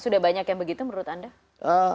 sudah banyak yang begitu menurut anda